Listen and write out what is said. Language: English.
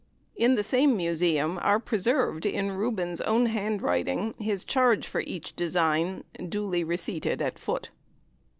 In the same Museum are preserved in Rubens' own handwriting his charge for each design, duly receipted at foot.